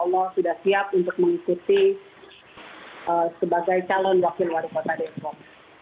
dan saat ini saya sudah siap untuk mengikuti sebagai calon wakil wali kota depok